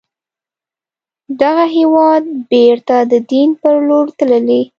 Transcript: دغه هېواد بیرته د دين پر لور تللی